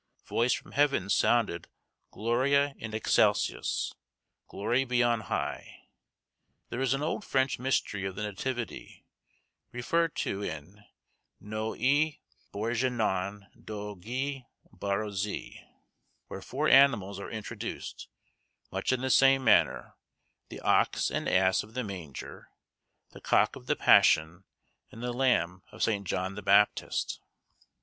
Voice from heaven sounded, Gloria in Excelsis, Glory be on high. There is an old French mystery of the Nativity, referred to in "Noei Borguignon de Gui Barôzai," where four animals are introduced, much in the same manner; the ox and ass of the manger, the cock of the passion, and the lamb of St. John the Baptist.